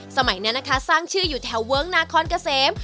สมัยนี้นะคะสร้างชื่ออยู่แถวเวิ้งนาคอนเกษม